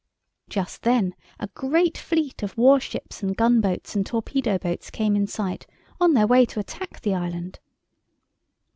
Just then a great fleet of warships and gunboats and torpedo boats came in sight, on their way to attack the island.